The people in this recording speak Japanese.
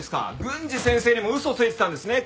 郡司先生にも嘘ついてたんですね。